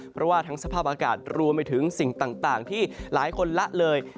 เพราะว่าทั้งสภาพอากาศรวมไปถึงสิ่งต่างที่หลายคนละเลย